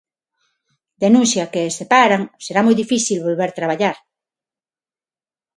Denuncia que se paran, será moi difícil volver traballar.